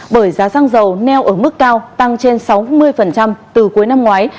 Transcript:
bởi giá xăng dầu neo ở mức cao tăng trên sáu mươi từ cuối năm ngoái